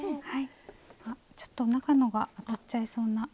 あちょっと中のがいっちゃいそうな。